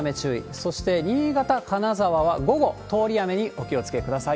そして、新潟、金沢は午後、通り雨にお気をつけください。